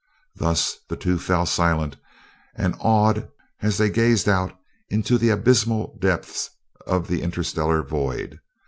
Thus the two fell silent and awed as they gazed out into the abysmal depths of the interstellar void.